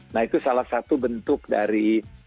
nah itu salah satu bentuk dari